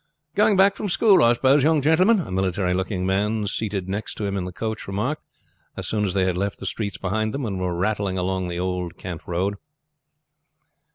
"Going back from school, I suppose, young gentleman?" a military looking man seated next to him on the coach remarked as soon as they had left the streets behind them, and were rattling along the Old Kent Road.